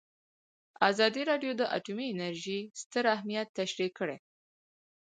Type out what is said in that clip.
ازادي راډیو د اټومي انرژي ستر اهميت تشریح کړی.